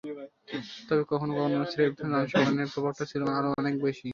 তবে কখনো কখনো স্রেফ রানসংখ্যা নয়, প্রভাবটা ছিল আরও অনেক বেশি।